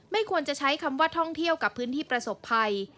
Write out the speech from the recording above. ควรจะใช้คำว่าท่องเที่ยวกับพื้นที่ประสบภัย